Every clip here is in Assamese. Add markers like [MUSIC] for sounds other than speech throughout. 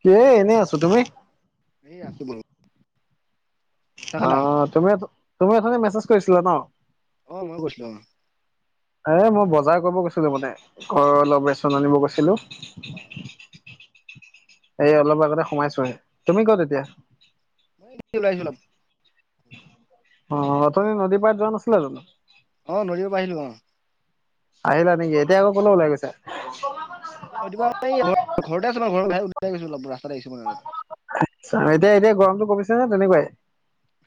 কি এ এনেই আছো তুমি? এ আছো বোলো। অ তুমি তুমি অথনি মেছেজ কৰিছিলা ন? অ মই গৈছিলো এই মই বজাৰ কৰিব গৈছিলোঁ মানে, ঘৰৰ অলপ ৰেচন আনিব গৈছিলোঁ। অ অ এই অলপ আগতে সোমাইছোহে, তুমি ক'ত এতিয়া? ওলাইছিলো অলপ। অ', ঘৰৰ অথনি পৰা। নদী পাৰ যোৱা নাছিলা জানো? অ', নদীৰ পা আহিলো অ'। আহিলা নি এতিয়া আকৌ ক'লৈ ওলাই গৈছা? [UNINTELLIGIBLE] ঘৰতে আছোঁ মা ঘৰৰ বাহ ওলাই গৈছো অলপ ৰাস্তাত আহিছিলো মই অলপ। এতিয়া, এতিয়া গৰমটো কমিছে নে তেনেকুৱাই?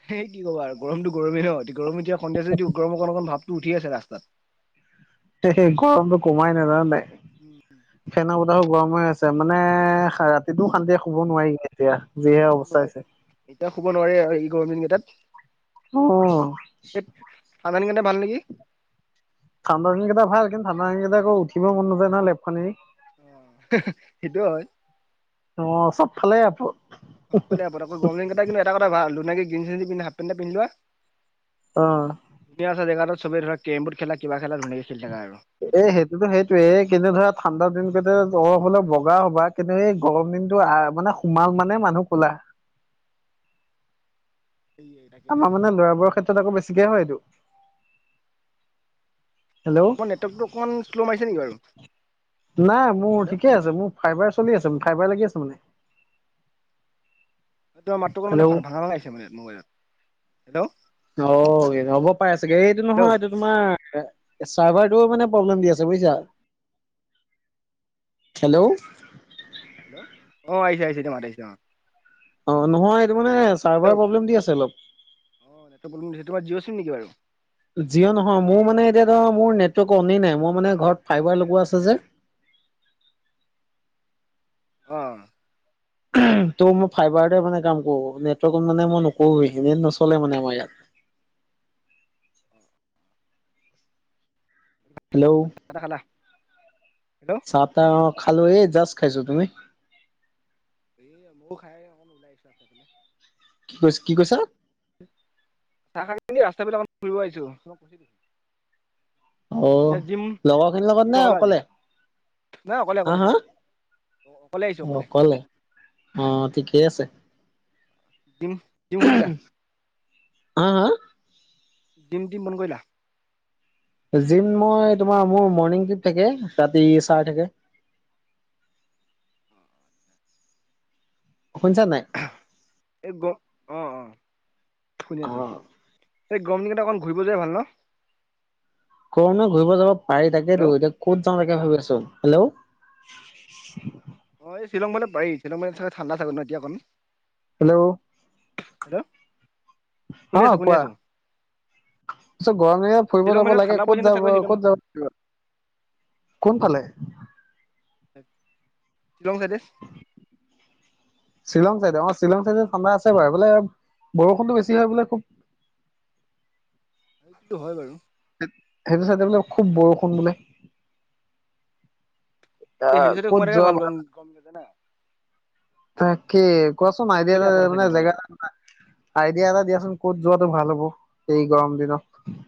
সেই কি ক'বা আৰু গৰতটো গৰমেই হয় গৰম এতিয়া সন্ধিয়াছে যদি গৰম অকণ অকণ ভাল টো উঠি আছে ৰাস্তাত। তে সেই গৰমটো কমাই নাই জানা নে নাই? উম, হম। [UNINTELLIGIBLE] গৰম হৈ আছে মানে ৰাতিটোও শান্তিয়ে শুব নোৱাৰি। এতিয়া যিহে এতিয়া অৱস্থা নোৱাৰি হৈছে এতিয়া শুব নোৱাৰি আৰু এই গৰম দিন কেইটাত। উম। আধানী কেনে ভাল নেকি? ঠাণ্ডাৰ দিন কেইটা ভাল কিন্তু ঠাণ্ডা দিন কেইটা আকৌ উঠিব মন নাযায় নহয় লেপখন এৰি। অ', সেইটোৱ হয়। অ', চাপফালে আপদ। সকলোৱে আকৌ গৰম দিন কেটা কিন্তু এটা কথা ভাল ধুনীয়াকে গেঞ্জী চেঞ্জী পিন্ধি হাফপেণ্ট এটা পিন্ধি লোৱা। অ তুমি আছা জেগাৰত চবে ধৰা কেমবৰ্ড খেলা কিবা খেলা ধুনীয়াকে খেলি থাকা আৰু। এ বিন্দাছ সেইটোতো সেইটোৱে কিন্তু ধৰা ঠাণ্ডা দিন তেত দৰকাৰ হ'লে বগা হ'বা কিন্তু এই গৰম দিনটো অহ, মানে সোমাল মানে মানুহ ক'লা। [INAUDIBLE] সেইয়ে তাকে আমাৰ তাকে মানে ল'ৰাবোৰৰ ক্ষেত্ৰত আকৌ বেছিকে হয় এইটো। হেল্ল' তোমাৰ নেটৱৰ্কটো অকমান শ্ল' মাৰিছে নেকি বাৰু? নাই মোৰ হেল্ল' ঠিকে আছে, মোৰ ফাইবাৰ চলি আছে-ফাইবাৰ লাগি আছে মানে। তোমাৰ মাতটো অকমান হেল্ল' মানে ফাটা-ভা-ভাঙা লাগিছে মোবাইলত। হেল্ল' অ', হ'ব পাৰে চাগে, এইটো নহয় হেল্ল' এইটো তোমাৰ চাৰ্ভাৰটোৱেও মানে প্ৰব্লেম দি আছে বুজিছা? হেল্ল' হেল্ল', অ' আহিছে আহিছে, এতিয়া মাত আহিছে অ'। অ', নহয়, এইটো মানে চাৰ্ভাৰ হেল্ল' প্ৰব্লেম দি আছে অলপ। অ' নেটৱৰ্ক প্ৰব্লেম দিছে তোমাৰ জিঅ' চিম নেকি বাৰু? জিঅ' নহয়, মোৰ মানে এতিয়া ধৰা মোৰ নেটৱৰ্ক অনেই নাই, মোৰ মানে ঘৰত ফাইবাৰ লগোৱা আছে যে। [INAUDIBLE] অ' [UNINTELLIGIBLE] ত' মই ফাইবাৰতে মানে কাম কৰোঁ, নেটৱৰ্কত মানে মই নকৰোঁৱে, নেট নচলে মানে আমাৰ ইয়াত। [INAUDIBLE] হেল্ল', বাকী চাহ তাহ খালা হেল্ল' চাহ-তাহ অ' খালোঁ, এই জাষ্ট খাইছোঁ, তুমি? [INAUDIBLE] কি কৈছ-কি কৈছা? চাহ খাই পিনি, ৰাস্তাফালে অকমান ফুৰিব আহিছোঁ। অ', লগৰখিনিৰ লগত নে নগলা আজি অকলে? নাই অকলে হা অকলে হা, অকলে আহিছো অকলে, অ', ঠিকেই আছে। টীম, টীম খুলিলা? আ হা? দিম টিম বন্ধ কৰিলা। জিম মই তোমাৰ মোৰ মৰ্ণিং গেপ থাকে ৰাতি চাৰ থাকে। [INAUDIBLE] শুনিছা নাই? এ গ অ অ শুনি অ আছোঁ। এই গৰম দিনকেইটা অকণ ঘূৰিব যোৱাই ভাল ন। গৰম দিনত ঘূৰিব যাব পাৰি তাকেতো হেল্ল' এতিয়া ক'ত যাওঁ তাকে ভাবিছো। হেল্ল' অ এই চিলঙলে পাৰি শ্বিলং মানত চাগৈ ঠাণ্ডা চাগৈ ন এতিয়া অকণ। হেল্ল' হেল্ল' শুনি আছো শুনি আছো। চ গৰম দিনত ফুৰিব শ্বিলং যাব মানে লাগে ঠাণ্ডা পৰিছে ক'ত নে যাব চাগৈ শ্বিলং ক'ত যাব লাগিব। কোন ফালে শ্বিলং চাইডে শ্বিলং চাইডে অ শ্বিলং চাইডে ঠান্ডা আছে হেল্ল' বাৰু বোলে বৰষুণটো বেছি হয় বোলে খুব। সেইটো হয় বাৰু। সেইটো চাইডে বোলে খুব বৰষুণ বোলে। এ আহ সেইটো চাইডে ক'ত সোমাইে যোৱা ভাল গম গম পাইছে না তাকে কোৱাচোন আইডিয়া চবফালে এটা আপদ আছে মানে কিন্তু অলপ জেগা আইডিয়া এটা দিয়াচোন। ক'ত যোৱাটো ভাল হ'ব এই গৰম দিনত।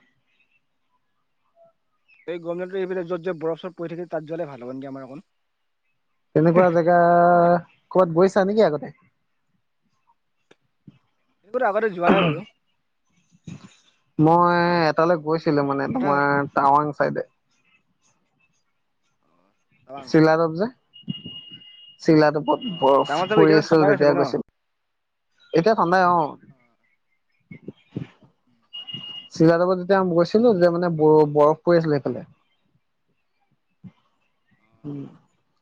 এই গম এইব যত যে বৰফ চৰ পৰি থাকে তাত যালে ভাল হ'ব আমাৰ অকণ, তেনেকুৱা জেগা হয়নে ক'বাত গৈছা নেকি আগতে। একতো আগতে যোৱা নাই বাৰু মই এনেকে এটালৈ ট্ৰিপত এনেকে গৈছিলো মানে কথা হ'ল তোমাৰ টাৱাং চাইডে। টাৱাং চিলা দব যে, চিলাটো অ বৰফ টাৱাঙত চাগৈ এতিয়া পৰি আছিল ঠাণ্ডাই হৈ তেতিয়া চাগৈ ন গৈছিলো। এতিয়া ঠান্দাই অ, [INAUDIBLE] চিৰাডাবত যেতিয়া গৈছিলো যে মানে ব বৰফ পৰি আছিলে সেইফালে। উ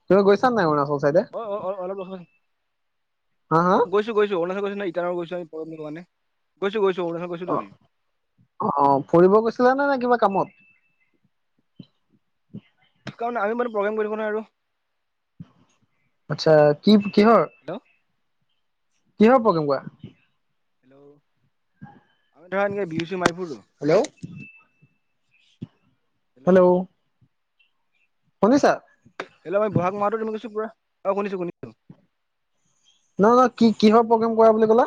তুমি গৈছা নাই অৰুনাচল। অ অ অ [UNINTELLIGIBLE] হা হা গৈছো গৈছো অৰুণাচল গৈছ ন ইটানগৰ গৈছো দানে গৈছো গৈছো, অৰুণাচল গৈছোতো অ আমি অ অ ফুৰিব গৈছিলে নে কিবা কামত। [UNINTELLIGIBLE] কাৰণে আমি মানো প্ৰগ্ৰেম কৰিব নোৱাৰ আৰু আচ্ছা কি কিহৰ হেল্ল' কিহৰ পগেম কোৱা। হেল্ল আমি ধৰা নেকি বিহু চি মাইপুৰটো। হেল্ল' হেল্ল, শুনিছা। হিল মই বহাগ মাহটো তুমি কৈছো পুৰা অ শুনিছো শুনিছো। নহয় নহয় কি কি কিহৰ প্ৰগ্ৰেম কৰা বুলি কলা।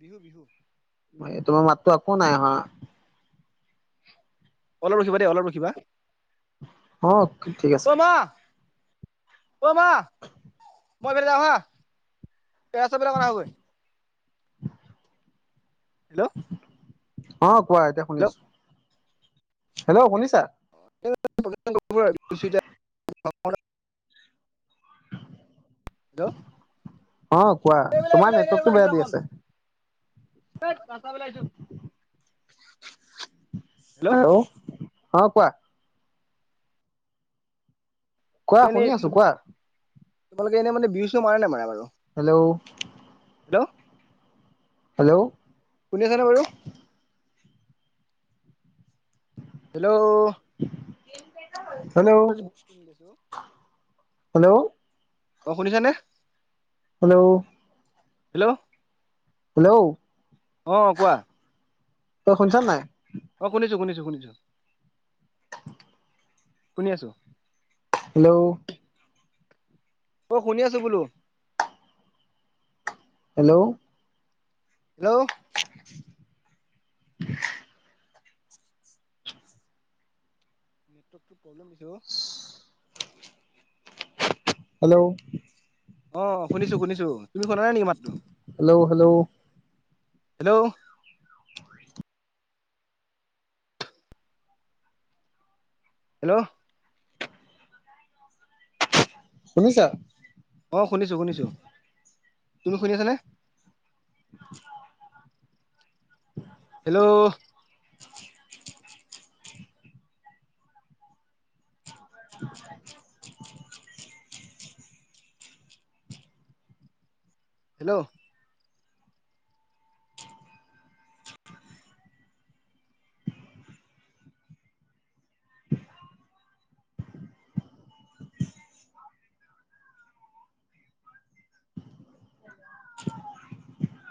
বিহু বিহু, তোমাৰ মাততো আকৌ নাই আহা। অলপ ৰখিবা দে অলপ ৰখিবা অ ঠিক আছে। অমা মই এইফালে যাওঁ হা হেল্ল' অ কোৱা এতিয়া শুনি হেল্ল' আছো হেল্ল' শুনিছা [UNINTELLIGIBLE] হেল্ল' অ', কোৱা, তোমাৰ নেটৱৰ্কটো বেয়া দি আছে। [UNINTELLIGIBLE] হেল্ল', অ' কোৱা। কোৱা, এনে শুনি আছোঁ কোৱা। তোমালোকে এনে মানে বিহু চিহু মাৰা নামাৰা বাৰু? হেল্ল' হেল্ল' হেল্ল' শুনি আছানে বাৰু? হেল্ল' [INAUDIBLE] হেল্ল' [UNINTELLIGIBLE] হেল্ল' অ', শুনিছানে? হেল্ল' হেল্ল' হেল্ল' অ', কোৱা। তই শুনিছ নাই? অ', শুনিছোঁ-শুনিছোঁ-শুনিছোঁ, শুনি আছোঁ। হেল্ল' অ', শুনি আছোঁ বোলো। হেল্ল' হেল্ল' নেটৱৰ্কটো প্ৰব্লেম হৈছে অ' হেল্ল' অ', শুনিছোঁ শুনিছোঁ, তুমি শুনা নাই নেকি মাতটো? হেল্ল' হেল্ল' হেল্ল' হেল্ল' শুনিছা? অ', শুনিছোঁ শুনিছোঁ, তুমি শুনি আছানে? [INAUDIBLE] Hello [INAUDIBLE] hello [INAUDIBLE]